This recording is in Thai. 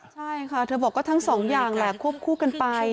ใช่ค่ะเธอบอกว่าทั้งสองอย่างแหละควบคู่กันไป